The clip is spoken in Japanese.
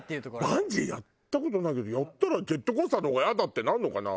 バンジーやった事ないけどやったらジェットコースターの方がイヤだってなるのかな？